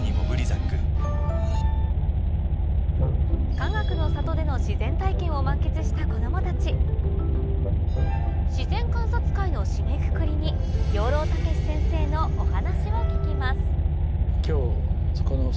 かがくの里での自然体験を満喫した子供たち自然観察会の締めくくりにを聞きます